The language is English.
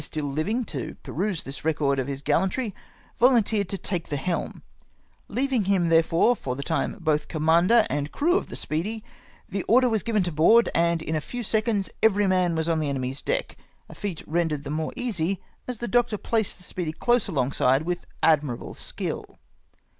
still living to peruse tliis rccc^rcl of his gallantry, volun teered to take tlie helm ; leaving him therefore for the tune both commander and crew of the Speedy, the order was given to board, and in a few seconds every man was on the enemy's deck — a feat rendered the more easy as the doctor placed the Speedy close along side with admirable sldll.